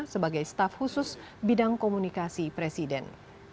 sebagai staf khusus bidang komunikasi presiden